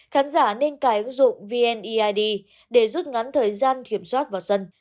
khán giả nên cài ứng dụng vneid để rút ngắn thời gian kiểm soát vào sân